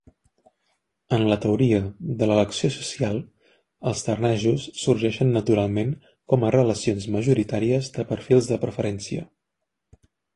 En la teoria de l'elecció social, els tornejos sorgeixen naturalment com a relacions majoritàries de perfils de preferència.